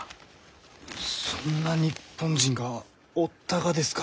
そんな日本人がおったがですか。